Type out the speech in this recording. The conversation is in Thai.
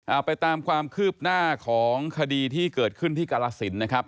เอาไปตามความคืบหน้าของคดีที่เกิดขึ้นที่กรสินนะครับ